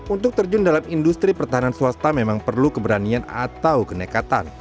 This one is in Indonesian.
untuk terjun dalam industri pertahanan swasta memang perlu keberanian atau kenekatan